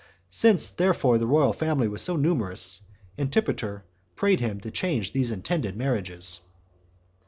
Since, therefore, the royal family was so numerous, Antipater prayed him to change these intended marriages.